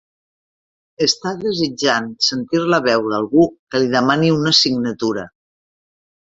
Està desitjant sentir la veu d'algú que li demani una signatura.